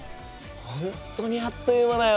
本当にあっという間だよ。